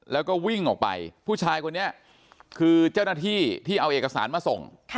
แล้วก็วิ่งออกไปผู้ชายคนนี้คือเจ้าหน้าที่ที่เอาเอกสารมาส่ง